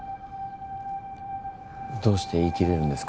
どうして言い切れるんですか？